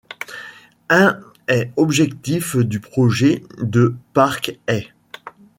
Un est objectifs du projet de Parc est '.